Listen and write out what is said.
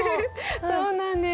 そうなんです。